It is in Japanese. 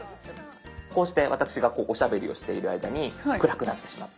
こうして私がおしゃべりをしている間に暗くなってしまった。